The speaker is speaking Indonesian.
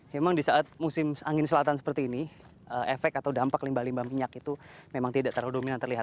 memang di saat musim angin selatan seperti ini efek atau dampak limbah limbah minyak itu memang tidak terlalu dominan terlihat